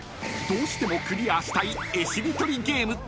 ［どうしてもクリアしたい絵しりとりゲーム］